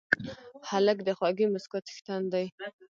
هلک د خوږې موسکا څښتن دی.